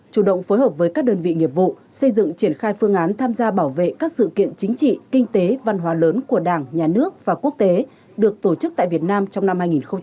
chủ động phối hợp với các đơn vị nghiệp vụ xây dựng triển khai phương án tham gia bảo vệ các sự kiện chính trị kinh tế văn hóa lớn của đảng nhà nước và quốc tế được tổ chức tại việt nam trong năm hai nghìn một mươi chín